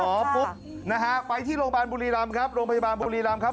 หมอปุ๊บนะฮะไปที่โรงพยาบาลบุรีรำครับ